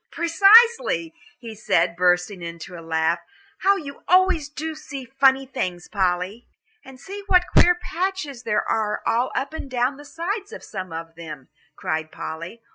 "Precisely," he said, bursting into a laugh. "How you always do see funny things, Polly." "And see what queer patches there are all up and down the sides of some of them," cried Polly.